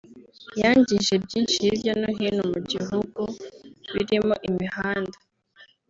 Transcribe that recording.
yangije byinshi hirya no hino mu gihugu birimo imihanda